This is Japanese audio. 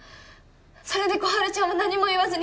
それで心春ちゃんは何も言わずに